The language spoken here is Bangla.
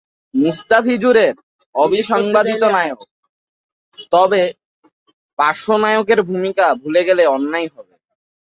মুস্তাফিজুর তো অবিসংবাদিত নায়ক, তবে পার্শ্বনায়কের ভূমিকা ভুলে গেলে অন্যায় হবে।